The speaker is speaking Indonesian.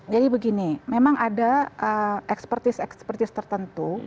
jadi begini memang ada expertise expertise tertentu